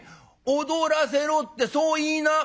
『踊らせろ』ってそう言いな！」。